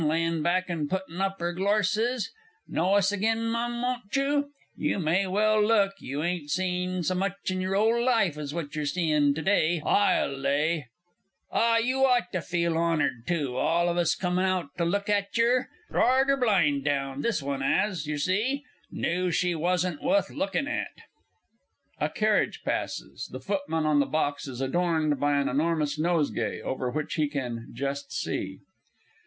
layin' back and puttin' up 'er glorses! Know us agen, Mum, won't you? You may well look you ain't seen so much in yer ole life as what you're seein' to day, I'll lay! Ah, you ought to feel honoured, too, all of us comin' out to look at yer. Drored 'er blind down, this one 'as, yer see knew she wasn't wuth looking at! [Illustration: "OW, 'E SMOILED AT ME THROUGH THE BRORNCHES!"] [_A carriage passes; the footman on the box is adorned by an enormous nosegay, over which he can just see.